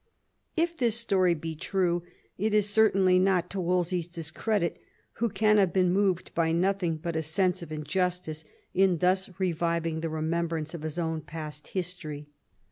If this story be true, it is certainly not to Wolsey's discredit, who can have been moved by nothing l^ut a sense of injustice in thus reviving the remembrance of his own past history.